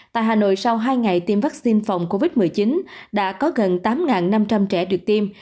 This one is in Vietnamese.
tại hà nội sau hai ngày tiêm vaccine phòng covid một mươi chín đã có gần tám năm trăm linh trẻ được tiêm